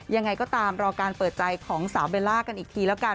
ยังไงก็ตามรอการเปิดใจของสาวเบลล่ากันอีกทีแล้วกัน